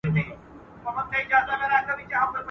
o موړ د وږي په حال څه خبر دئ؟